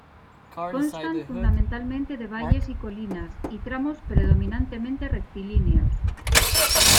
Constan fundamentalmente de valles y colinas, y tramos predominantemente rectilíneos.